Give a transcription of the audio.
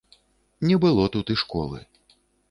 Не было тут і школы.